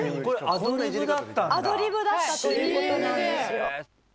アドリブだったという事なんですよ。